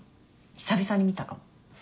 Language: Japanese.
久々に見たかも。